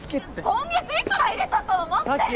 今月いくら入れたと思ってんの！